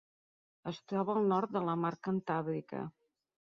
Es troba al nord de la Mar Cantàbrica.